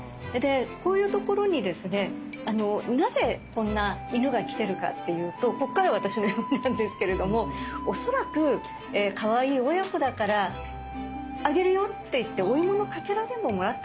こういうところにですねなぜこんな犬が来てるかっていうとこっから私の読みなんですけれども恐らくかわいい親子だから「あげるよ」って言ってお芋のかけらでももらったんだろうなと。